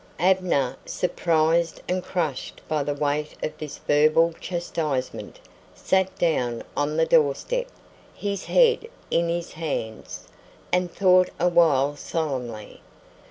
Abner, surprised and crushed by the weight of this verbal chastisement, sat down on the doorstep, his head in his hands, and thought a while solemnly.